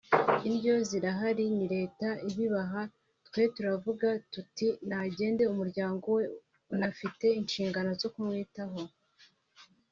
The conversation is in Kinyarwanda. indyo zihariye ni Leta ibibaha… twe turavuga tuti ‘Nagende umuryango we unafite inshingano zo kumwitaho